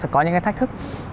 có những cái thách thức